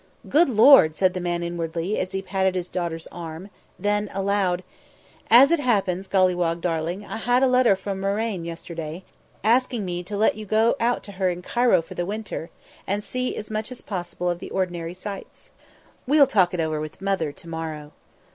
"Good Lord!" said the man inwardly, as he patted his daughter's arm; then, aloud. "As it happens, Golliwog darling, I had a letter from Marraine yesterday, asking me to let you go out to her in Cairo for the winter and see as much as possible of the ordinary sights. We'll talk it over with Mother to morrow."